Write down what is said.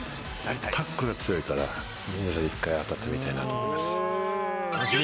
タックルが強いから、一回当たってみたいなと思います。